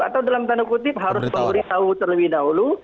atau dalam tanda kutip harus memberitahu terlebih dahulu